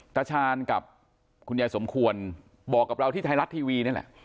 ตาชาญกับคุณยายสมควรบอกกับเราที่ไทยรัฐทีวีนี่แหละ